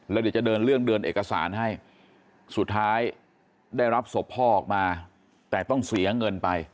แล้วเดี๋ยวจะเดินเรื่องเดินเอกสารให้สุดท้ายได้รับศพพ่อออกมาแต่ต้องเสียเงินไป